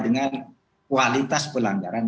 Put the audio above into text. dengan kualitas pelanggaran